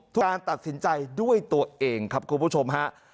การตัดสินใจด้วยตัวเองครับคุณผู้ชมฮะ